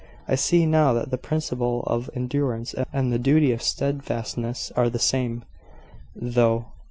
I see now that the principle of endurance and the duty of steadfastness are the same, though